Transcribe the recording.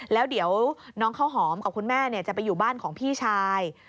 แล้วเดี๋ยวน้องข้าวหอมกับคุณแม่จะไปอยู่บ้านของพี่ชาย